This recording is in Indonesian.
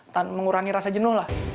tanpa mengurangi rasa jenuh lah